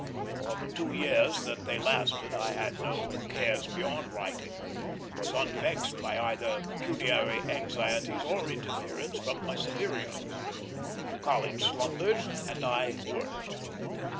For the two years that they lasted I had no cares beyond writing; was unvexed by either pecuniary anxieties or interference from my superiors. The College slumbered and I worked.